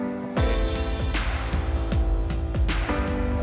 oke bisa pepek ya